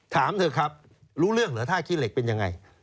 ถามเถอะครับรู้เรื่องเหรอท่าขี้เหล็กเป็นยังไง